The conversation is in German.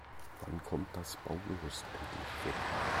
Wann kommt das Baugerüst endlich weg?